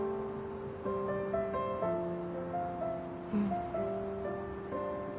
うん。